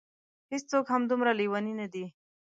هېڅوک هم دومره لېوني نه دي.